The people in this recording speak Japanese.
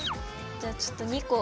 じゃあちょっと２個。